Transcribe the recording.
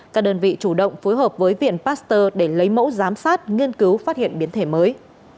các đơn vị chủ động phối hợp với viện pasteur để lấy mẫu giám sát nghiên cứu phát hiện biến thể mới